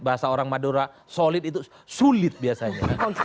bahasa orang madura solid itu sulit biasanya